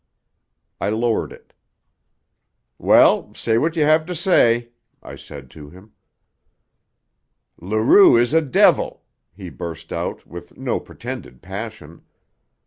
I lowered it. "Well, say what you have to say," I said to him. "Leroux is a devil!" he burst out, with no pretended passion.